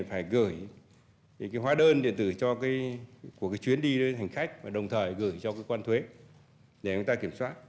phải gửi hóa đơn điện tử của cái chuyến đi đến hành khách và đồng thời gửi cho cơ quan thuế để người ta kiểm soát